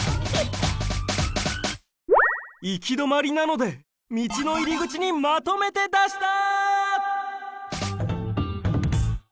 行き止まりなので道の入り口にまとめてだした！